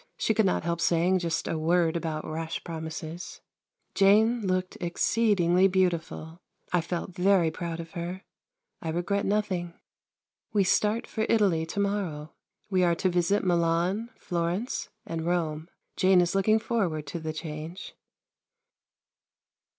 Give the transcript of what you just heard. She could not help saying just a word about rash promises. Jane looked exceedingly beautiful. I felt very proud of her. I regret nothing. We start for Italy to morrow. We are to visit Milan, Florence and Rome. Jane is looking forward to the change.